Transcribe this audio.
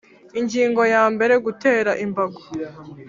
Ingingo ya mbere Gutera imbago